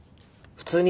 普通に。